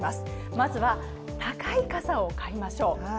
まずは高い傘を買いましょう。